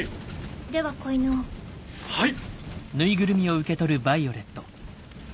では子犬を。はいっ！